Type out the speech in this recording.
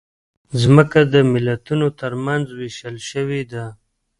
مځکه د ملتونو ترمنځ وېشل شوې ده.